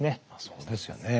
そうですよね。